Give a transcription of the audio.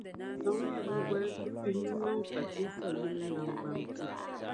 Zaŋmiya biŋgolinsi pihinu niŋ pateesa yini naŋgbambili.